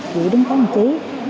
gửi đến các hành trí